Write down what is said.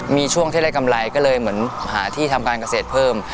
มีช่วงที่ได้กำไรก็เลยเหมือนหาที่ทำการเกษตรเพิ่ม